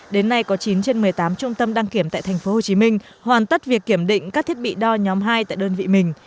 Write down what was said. đến nay có chín trên một mươi tám trung tâm đăng kiểm tại tp hcm hoàn tất việc kiểm định các thiết bị đo nhóm hai tại đơn vị mình